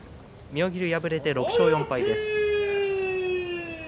妙義龍は敗れて６勝４敗です。